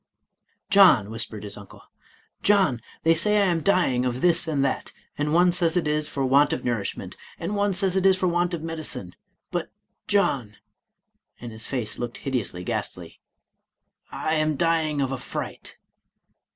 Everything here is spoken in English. "John," whispered his uncle ;—" John, they say I am dying of this and that ; and one says it is for want of nourishment, and one says it is for want of medicine, — ^but, John," and his face looked hideously ghastly, " I am dying of a fright.